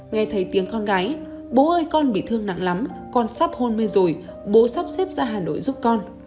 nghe thấy tiếng con gái bố ơi con bị thương nặng lắm con sắp hôn mê rồi bố sắp xếp ra hà nội giúp con